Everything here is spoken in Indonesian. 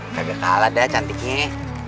kagak kalah dah cantiknya